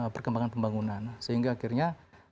perkembangan pembangunan sehingga akhirnya